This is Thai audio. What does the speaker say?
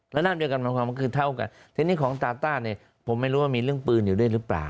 ระนาบเดียวกันคือเท่ากันทีนี้ของตาต้าเนี่ยผมไม่รู้ว่ามีเรื่องปืนอยู่ด้วยรึเปล่า